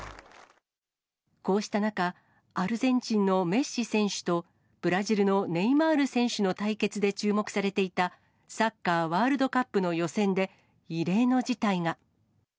こうした中、アルゼンチンのメッシ選手と、ブラジルのネイマール選手の対決で注目されていたサッカーワールドカップの予選で、異例の事態が。